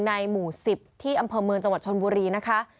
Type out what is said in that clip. หมู่๑๐ที่อำเภอเมืองจังหวัดชนบุรีนะคะ